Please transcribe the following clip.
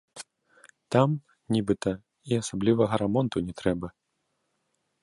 Там, нібыта, і асаблівага рамонту не трэба.